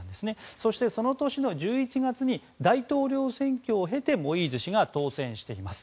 そして、その年の１１月に大統領選挙を経て、モイーズ氏が当選しています。